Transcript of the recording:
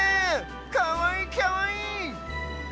かわいいかわいい！